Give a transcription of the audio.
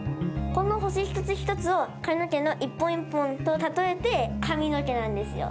この星一つ一つを髪の毛の一本一本と例えて、かみのけなんですよ。